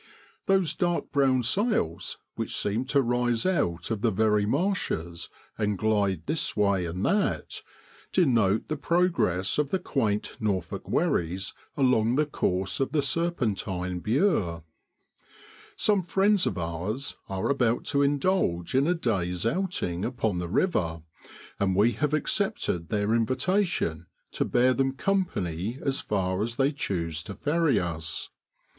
Those dark brown sails, which seem to rise out of the very marshes and glide this way and that, denote the progress of the quaint Norfolk wherries along the course of the serpentine Bure. Some friends of ours are about to indulge in a day's out ing upon the river, and we have accepted their invitation to bear them company as far as they choose to ferry us.